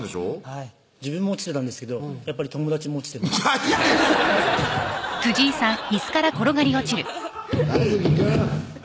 はい自分も落ちてたんですけどやっぱり友達も落ちてましたなんやねん一紀くん